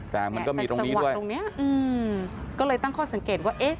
แต่มันก็มีตรงนี้อยู่ตรงเนี้ยอืมก็เลยตั้งข้อสังเกตว่าเอ๊ะ